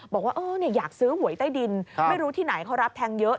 บอกว่าอยากซื้อหวยใต้ดินไม่รู้ที่ไหนเขารับแทงเยอะ